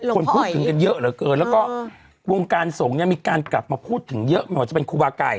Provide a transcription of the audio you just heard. คนพูดถึงกันเยอะเหลือเกินแล้วก็วงการสงฆ์เนี่ยมีการกลับมาพูดถึงเยอะไม่ว่าจะเป็นครูบาไก่